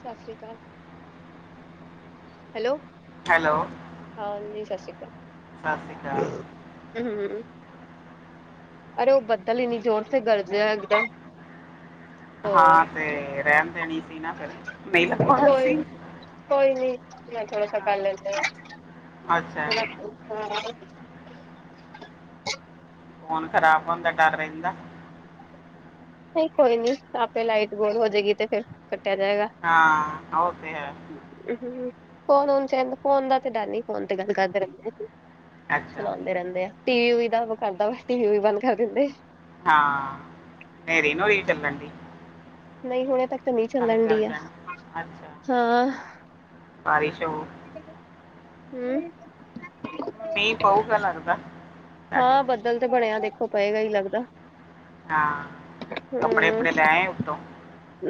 ਸਸ ਸ੍ਰੀ ਕਾਲ ਹੈਲੋ। ਹੈਲੋ। ਹਾਲ ਜੀ ਸਸ ਸ਼੍ਰੀ ਸਤਿ ਸ਼੍ਰੀ ਕਾਲ। ਅਕਾਲ ਅਰੇ ਉਹ ਬੱਦਲ ਇੰਨੀ ਜ਼ੋਰ ਸੇ ਗਰਜ ਰਹੇ ਹੈਂ ਅਬ ਤੋ ਹਾਂ ਤੇ ਰਹਿਣ ਦੇਣੀ ਸੀ ਨਾ ਫਿਰ, ਨਹੀਂ ਲਗਵਾਨਾ ਕੋਈ ਸੀ ਕੋਈ ਨੀ ਮੈਂ ਥੋੜਾ ਸਾ ਕਰ ਲੈਂਦੇ ਅੱਛਾ ਆਂ ਫੋਨ ਖਰਾਬ ਹੋਣ ਦਾ ਡਰ ਰਹਿੰਦਾ ਨਹੀਂ ਕੋਈ ਨੀ, ਆਪੇ ਲਾਈਟ ਗੁਲ ਹੋ ਜਾਏਗੀ ਤੇ ਫੇਰ ਕੱਟਿਆ ਜਾਏਗਾ ਹਾਂ ਉਹ ਤੇ ਹੈ ਫੋਨ ਹੁਣ ਚ, ਫੋਨ ਦਾ ਤੇ ਡਰ ਨਈ, ਫੋਨ ਤੇ ਗੱਲ ਕਰਦੇ ਰਹਿੰਦੇ ਅੱਛਾ ਚਲਾਉਂਦੇ ਰਹਿੰਦੇ ਆ, ਟੀ ਵੀ ਦਾ ਕਰਦਾ ਵਾ, ਟੀ ਵੀ ਬੰਦ ਕਰ ਦਿੰਦੇ ਆ ਹਾਂ ਹਨੇਰੀ ਨਾ ਚੱਲਣ ਡੀ ਨਹੀਂ ਹੁਣੇ ਤੱਕ ਤਾਂ ਨਹੀਂ ਚੱਲਣ ਡੀ ਆ, ਗਰਜਣ ਅੱਛਾ ਹਾਂ ਬਾਰਿਸ਼ ਹੋ ਹੂ ਮੀਹ ਪਊਗਾ ਲਗਦਾ ਹਾਂ ਬੱਦਲ ਤੇ ਬਣਿਆ, ਦੇਖੋ ਪਏਗਾ ਹੀ ਲੱਗਦਾ ਹਾਂ ਕੱਪੜੇ ਕੁਪੜੇ ਲੈ ਆ ਉੱਤੋਂ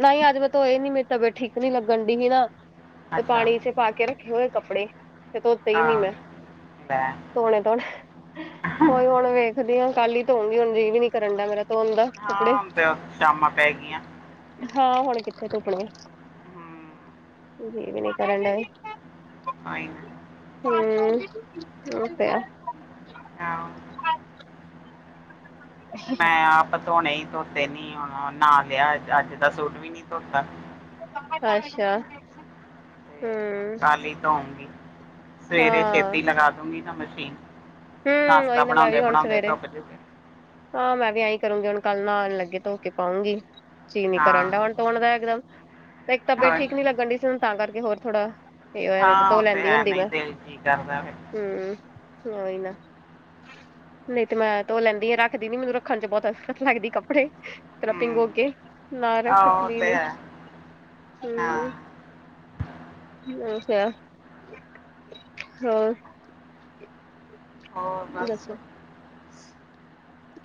ਨਹੀਂ ਅੱਜ ਮੈਂ ਧੋਏ ਨੀ ਮੇਰੀ ਤਬੀਅਤ ਠੀਕ ਨੀ ਲੱਗਣ ਡਹਿ ਸੀ ਨਾ, ਤੇ ਅੱਛਾ ਪਾਣੀ ਚ ਪਾ ਕੇ ਰੱਖੇ ਹੋਏ ਕੱਪੜੇ ਤੇ ਧੋਤੇ ਹੀ ਨੀ ਹਾਂ ਮੈਂ, ਲੈ ਧੋਣੇ ਧੋਣੇ ਹੋਈ ਹੁਣ ਵੇਖ ਸੋਚਦੀ ਆਂ ਹੁਣ ਕੱਲ ਹੀ ਧੋਆਂਗੀ, ਹੁਣ ਜੀ ਵੀ ਨੀ ਕਰਨ ਡੇਆ ਮੇਰਾ ਧੋਣ ਦਾ ਕੱਪੜੇ ਹਾਂ ਹੁਣ ਤੇ ਸ਼ਾਮਾਂ ਪੈ ਗਈਆਂ ਹਾਂ ਹੁਣ ਕਿੱਥੇ ਧੁਪਣੇ ਹਮ ਜੀ ਵੀ ਨਹੀਂ ਕਰਨ ਡੇਆ ਐਵੇਂ ਤਾਂ ਹੈ [inaudible] ਹੂ ਔ ਤੇ ਹੈ ਆ ਹੋ ਹ [inaudible] ਮੈਂ ਆਪ ਧੋਣੇ ਸੀ ਧੋਤੇ ਨੀ, ਹੁਣ ਨਾਹ ਲਿਆ, ਅੱਜ ਦਾ ਸੂਟ ਵੀ ਨੀ ਧੋਤਾ ਅੱਛਾ ਹੂ ਤੇ ਕੱਲ ਈ ਧੋਊਂਗੀ, ਸਵੇਰੇ ਹਾਂ ਛੇਤੀ ਲਗਾ ਦੂਗੀ ਨਾ ਮਸ਼ੀਨ ਹੂ ਉਹ ਨਾਸ਼ਤਾ ਈ ਨਾ, ਮੈਂ ਬਣਾਉਂਦੇ ਵੀ ਹੁਣ ਬਣਾਉਂਦੇ ਸਵੇਰੇ ਧੁੱਪ ਜੂਗੇ ਹਾਂ ਮੈਂ ਵੀ ਐਹੀ, ਕਰੂੰਗੀ ਹੁਣ ਕੱਲ ਨਉਣ ਲੱਗੇ ਧੋ ਕੇ ਪਾਊਂਗੀ ਚੀ ਨੀ ਹਾਂ ਕਰਨ ਡ ਹੁਣ ਹੁਣ ਦਾ ਇੱਕਦਮ ਤੇ ਇੱਕ ਤਬੀਅਤ ਹੋਰ? ਠੀਕ ਨੀ ਲੱਗਣ ਡਹਿ ਸੀ, ਹੁਣ ਤਾਂ ਕਰਕੇ ਹੋਰ ਥੋੜਾ ਇਹ ਹੋਇਆ ਨਹੀਂ ਹਾਂ ਉਹ ਤੇ ਹੈ ਨਹੀਂ ਦਿਲ, ਜੀ ਕਰਦਾ ਫਿਰ ਹਮ ਔ ਈ ਨਾ [unintelligible] ਨਹੀਂ ਤੇ ਮੈਂ ਧੋ ਲੈਂਦੀ ਆ ਰੱਖਦੀ ਨੀ, ਮੈਨੂੰ ਰੱਖਣ ਚ ਬਹੁਤ ਅਲਖ਼ਤ ਲੱਗਦੀ ਕੱਪੜੇ ਹੂੰ ਭਿਗੋ ਕੇ ਨ ਆਹੋ, ਉਹ ਰੱਖਦੀ ਤੇ ਨੀ ਹੈ ਹੂ ਹਾਂ ਔ ਤੇ ਹੈ, ਹੋਰ ਹੋਰ ਬਸ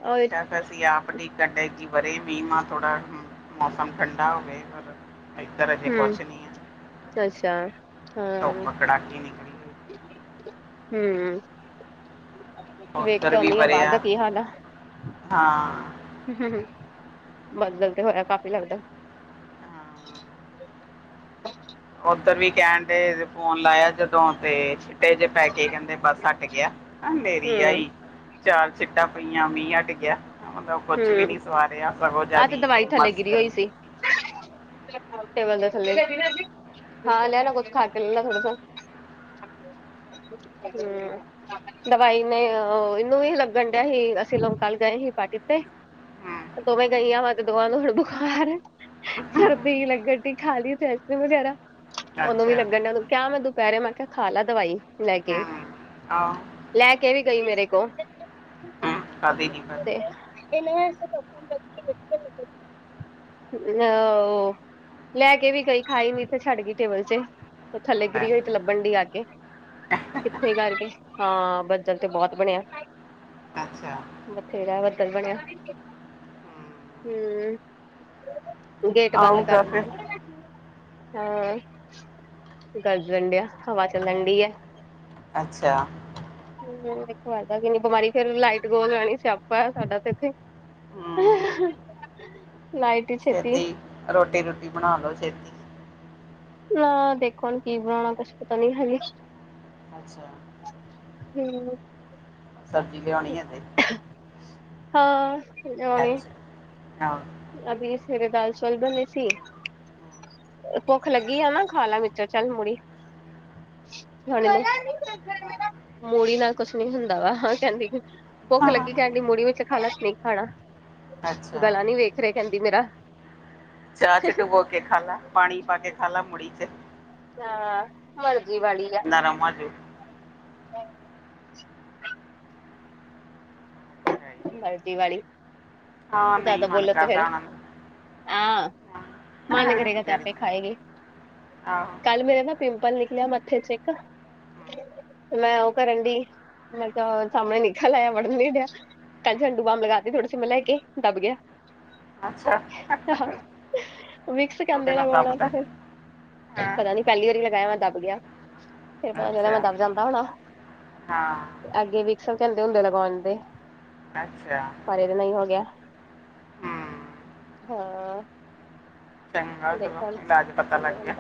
ਔ ਈ ਏਫ ਅਸੀਂ ਆਪ ਦੀ ਕੱਢੇ, ਕਿ ਵਰੇ ਵੀਮਾਂ ਥੋੜਾ ਮੌਸਮ ਠੰਡਾ ਹੋਵੇ, ਪਰ ਇੱਧਰ ਅਜੇ ਹੂੰ ਕੁਛ ਨਹੀਂ ਹੈ, ਅੱਛਾ ਧੂਪ ਕੜਾਕੇ ਦੀ ਐ ਹੂ ਵੇਖ ਕੇ ਉੱਧਰ ਵੀ ਆਉਂਨੀ ਆਂ ਬਾਹਰ ਦਾ ਵਰਿਆ ਕੀ ਹਾਲ ਐ ਹਾਂ ਹ ਹ ਹ ਬੱਦਲ਼ ਤੇ ਹੋਇਆ ਕਾਫੀ ਲੱਗਦਾ। ਹਾਂ ਉੱਧਰ ਵੀ ਕਹਿਣ ਡ ਫੋਨ ਲਾਇਆ ਜਦੋਂ ਤੇ ਛਿੱਟੇ ਜੇ ਪੈ ਕੇ ਕਹਿੰਦੇ ਬੱਸ ਹਟ ਹਟ ਗਿਆ, ਨੇਰੀ ਹੂੰ ਆਈ ਚਾਲ ਸਿੱਟਾਂ ਪਈਆਂ ਮੀਂਹ ਹਟ ਗਿਆ, ਉਹਦਾ ਕੁਛ ਵੀ ਹੂੰ ਨੀ ਸਵਾ ਰਿਹਾ ਬਹੁਤ ਆਹ ਤੇ ਜ਼ਿਆਦਾ ਦਵਾਈ ਥੱਲੇ ਮਸ ਗਿਰੀ ਹੋਈ ਸੀ ਟੇਬਲ ਦੇ ਥੱਲੇ, ਹਾਂ ਲੈ ਲ ਕੁੱਛ ਖਾ ਕੇ ਲੈ ਲਾ ਥੋੜਾ ਸਾ। [inaudible] ਹਮ। ਦਵਾਈ ਨੇ ਇਹਨੂੰ ਵੀ ਲੱਗਣ ਡਿਆ ਸੀ। ਅਸੀਂ ਲਕ ਗਏ ਸੀ ਪਾਰਟੀ ਤੇ। ਹੂੰ ਦੋਵੇਂ ਗਈਆਂ ਵਾ ਤੇ ਦੋਵਾਂ ਨੂੰ ਹੁਣ ਥੋੜਾ ਬੁਖਾਰ ਸਰਦੀ ਲੱਗਣ ਡ ਖਾਲੀ ਉੱਥੇ ਆਈਸ ਕਰ੍ਰੀਮ ਵਗੈਰਾ ਨ ਵੀ ਅੱਛਾ ਲੱਗਣ ਇਹਨਾਂ ਨੂੰ ਕਿਆ ਮੈਂ ਦੁਪਹਿਰੇ ਮੈਂ ਕਿਹਾ ਖਾ ਲਾ ਦਵਾਈ ਲੈ ਕੇ। ਆਹ ਲੈ ਕੇ ਨੀ ਗਈ ਮੇਰੇ ਕੋਲ। ਕਦੇ ਨੀ ਕਰਦੇ। [unintelligible] ਅਹ ਲੈ ਕੇ ਵੀ ਗ, ਖਾਈ ਨੀ ਇਥੇ ਛੱਡ ਗਈ ਟੇਬਲ ਚ। ਉਹ ਥੇ ਲੈ ਗਿਰੀ ਹੋਈ ਲੱ ਬੰਡੀ ਆ ਕੇ, ਕਿੱਥੇ ਕਰਕੇ ਹਾਂ ਬੱਦਲ ਤੇ ਬਹੁਤ ਬਣਿਆ। ਅੱਛਾ ਬਥੇਰਾ ਬੱਦਲ ਬਣਿਆ ਹਮ। ਹੂੰ ਗੇਟ ਬੰਦ ਆਊਗਾ ਕਰ ਫਿਰ ਦਿੰਦੇ। ਹਾਂ, ਗਰਜਣ ਡਿਆ ਹਵਾ ਚੱਲਣ ਡਈ ਆ। ਅੱਛਾ। ਹਮ ਇਕ ਹਟਦਾ ਵੀ ਨੀ, ਬਿਮਾਰੀ ਫਰ ਲਾਈਟ ਗੋਲ [inaudible] ਸਿਆਪਾ ਸਾਡਾ ਤੇ ਇੱਥੇ। ਹੂੰ [unintelligible] ਛੇਤੀ ਰੋਟੀ ਰੂਟੀ ਬਣਾ ਲੋੋ ਛੇਤੀ। ਨਾ ਦੇਖੋ ਹੁਣ ਕੀ ਬਣਾਉਣਾ, ਕੁਛ ਪਤਾ ਨੀ ਹਜੇ। ਅੱਛਾ? ਹੂੰ। ਸਬਜ਼ੀ ਲਿਉਣੀ ਹੈ ਤੇ ਹਾਂ। ਹੁਣੇ ਅੱਛਾ, ਹਾਂ। ਅਭੀ ਸਵੇਰੇ ਦਾਲ ਚੌਲ ਬਣੇ ਸੀ ਭੁੱਖ ਲੱਗੀ ਆ ਨਾ? ਖਾ ਲਾ ਵਿੱਚੋ ਚੱਲ ਮੁੜੀ। ਹਣੇ ਮੂੜੀ ਨਾਲ ਕੁਛ ਨੀ ਹੁੰਦਾ ਵਾ ਕਹਿੰਦੀ ਭੁੱਖ ਹਾਂ ਹਾਂ ਲੱਗੀ ਹਾਂ। ਕਹਿੰਦੀ ਮੂੜੀ ਵਿੱਚ ਖਾ ਲਾ ਤੇ ਨਹੀਂ ਖਾਣਾ। ਅੱਛਾ ਗਲਾ ਨੀ ਵੇਖ ਰਹੇ ਕਹਿੰਦੀ ਮੇਰਾ। ਚਾਹ ਚ ਟੂਬੋ ਕੇ ਖਾਲ ਲਾ ਪਾਣੀ ਪਾ ਕੇ ਖਾਲ ਲਾ ਮੁੜੀ ਚ। ਹਾਂ, ਮਰਜ਼ੀ ਵਾਲੀ ਹੈ [unintelligible] [unintelligible] ਤੇ ਹੈ ਹੀ ਆ। ਮਰਜ਼ੀ ਵਾਲੀ, ਹਾਂ ਨਹੀਂ ਜ਼ਿਆਦਾ ਮਨ ਬੋਲੋ ਤੇ ਫੇਰ ਕਰਦਾ ਉਹਨਾਂ ਨੂੰ ਆਂ ਮਨ ਕਰੇਗਾ ਤੇ ਜਿਹੜੀ ਆਪੇ ਚ। ਖਾਏਗੀ। ਆਹੋ ਕੱਲ ਮੇਰੇ ਨਾ ਪਿੰਪਲ ਨਿਕਲਿਆ ਮੱਥੇ ਚ ਇੱਕ ਹਮ, ਤੇ ਮੈਂ ਉਹ ਕਰਨ ਡੀ, ਮੈਂ ਕਿਹਾ ਸਾਹਮਣੇ ਨਿਕਲ ਆਇਆ ਵੜਨ ਨੀ ਡਿਆ। ਕੱਲ ਹਮ। ਝੰਡੂ ਬਾਮ ਲਗਾ ਤੀ ਥੋੜੀ ਸੀ ਮੈਂ ਲੈ ਕੇ ਦੱਬ ਗਿਆ। ਅੱਛਾ। ਮਿਕਸ ਉਹਦੇ ਕਹਿੰਦੇ ਨਾਲ ਲਗਵਾਉਣਾ ਦੱਬਦਾ ਤੇ ਫਿਰ ਹਾਂ ਪਤਾ ਨੀ ਪਹਿਲੀ ਵਾਰੀ ਲਗਾਇਆ ਮੈਂ ਦੱਬ ਗਿਆ। ਫਿਰ ਪਤਾ ਚੱਲਿਆ ਮੈਂ ਅੱਛਾ ਦੱਬ ਜਾਂਦਾ ਹੋਣਾ। ਹਾਂ ਅੱਗੇ ਵਿਕਸਲ ਕਹਿੰਦੇ ਹੁੰਦੇ ਲਗਾਉਣ ਦੇ ਅੱਛਾ। ਪਾਇਲ ਨਹੀਂ ਹੋ ਗਿਆ ਹਮ ਹਾਂ। ਚੰਗਾ ਸਗੋਂ ਦੇਖੋ ਹੁਣ ਨੀ ਅੱਜ ਪਤਾ ਕੀ ਲੱਗ ਹੁੰਦਾ ਗਿਆ।